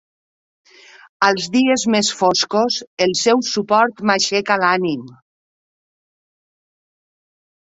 Als dies més foscos, el seu suport m'aixeca l'ànim.